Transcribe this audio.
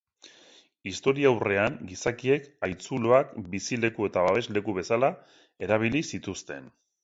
Historiaurrean, gizakiek haitzuloak bizileku eta babesleku bezala erabili zituzten.